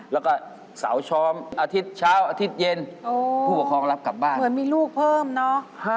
แล้วก็สาวชอมอาทิตย์สุดเช่นอาทิตย์เย็นโอ้ผู้ผู้ผ่องรับกลับบ้านเหมือนมีลูกเพิ่มเนาะ